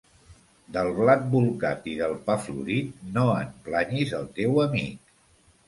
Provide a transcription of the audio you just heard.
Del blat bolcat i del pa florit no en planyis el teu amic.